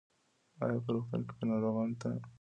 ایا په روغتون کې به ناروغانو ته په وخت مناسب درمل ورکړل شي؟